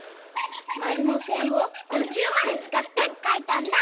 まるのせんをとちゅうまでつかってかいたんだ！